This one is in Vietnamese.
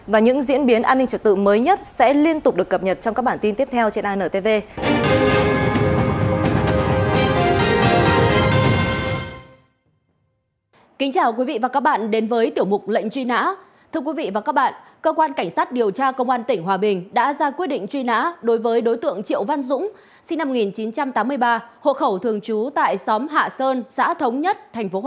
và những diễn biến an ninh trật tự mới nhất